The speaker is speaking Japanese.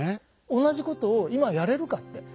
同じことを今やれるかって。